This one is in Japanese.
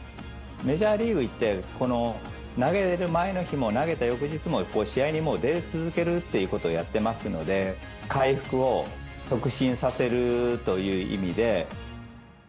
メジャーリーグ行って、投げる前の日も投げた翌日も、試合にもう出続けるということをやってますので、回復を促進させるという意味で。